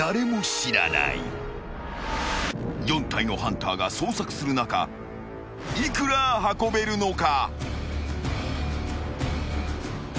［４体のハンターが捜索する中幾ら運べるのか？］